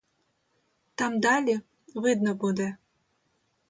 Там далі видно буде.